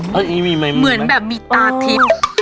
ก็นี้มีมันเหมือนมีตาทิศ